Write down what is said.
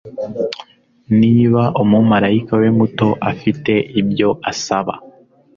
niba umumarayika we muto afite ibyo asaba